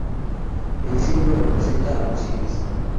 El símbolo representa a un ciclista.